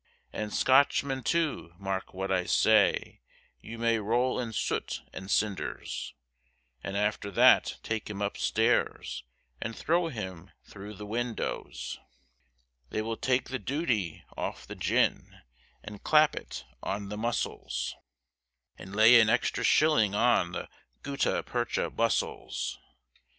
And Scotchmen, too, mark what I say, you may roll in soot and cinders, And after that take him up stairs, and throw him through the windows, They will take the duty off the gin, and clap it on the mussels, And lay an extra shilling on the gutta percha bustles.